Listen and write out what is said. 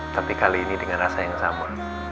tapi kali ini dengan rasa yang sama